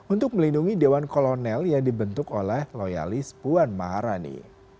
untuk melindungi dewan kolonel yang dibentuk oleh loyalis puan maharani